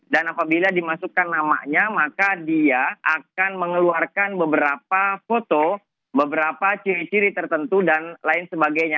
dan apabila dimasukkan namanya maka dia akan mengeluarkan beberapa foto beberapa ciri ciri tertentu dan lain sebagainya